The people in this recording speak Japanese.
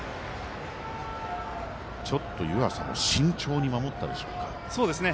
ちょっと湯浅も慎重に守ったでしょうか。